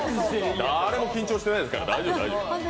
誰も緊張してないですから大丈夫。